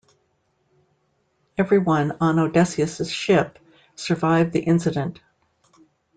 Everyone on Odysseus's ship survived the incident.